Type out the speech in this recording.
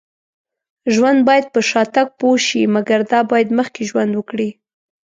ژوند باید په شاتګ پوه شي. مګر دا باید مخکې ژوند وکړي